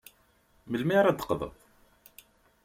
Melmi ara d-teqḍud?